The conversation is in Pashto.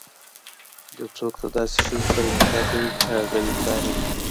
يو څوک د داسي ښځي سره نکاح کوي، چي هغه دينداره وي